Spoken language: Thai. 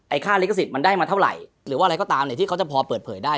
ค่าลิขสิทธิ์มันได้มาเท่าไหร่หรือว่าอะไรก็ตามเนี่ยที่เขาจะพอเปิดเผยได้